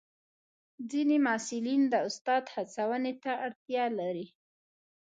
ځینې محصلین د استاد هڅونې ته اړتیا لري.